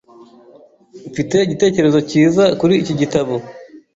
Mfite igitekerezo cyiza kuri iki gitabo.